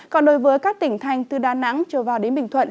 còn đối với các tỉnh thành từ đà nẵng trở vào đến bình thuận